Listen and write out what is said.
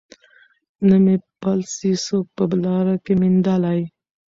نه مي پل سي څوک په لاره کي میندلای